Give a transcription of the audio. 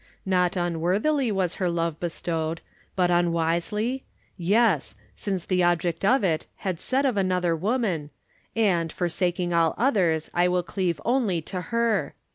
Not unworthily was her love bestowed. But un wisely? yes, since the object of it had said of another woman :" And, forsaking all others, I will cleave only to her."